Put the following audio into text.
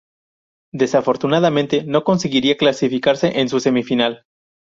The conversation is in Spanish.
Desafortunadamente, no conseguiría clasificarse en su semi-final.